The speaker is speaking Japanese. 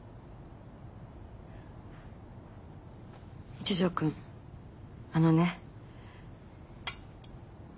一条くんあのね。